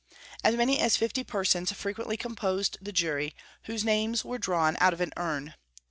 As many as fifty persons frequently composed the jury, whose names were drawn out of an urn.